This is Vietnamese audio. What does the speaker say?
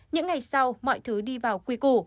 những ngày sau mọi thứ đi vào quy cụ